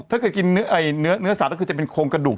ถ้าเกิดกินเนื้อสัตว์ก็คือจะเป็นโครงกระดูก